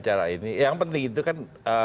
cara ini yang penting itu kan